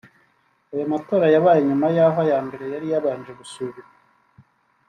Aya matora yabaye nyuma y’aho aya mbere yari yabanje gusubikwa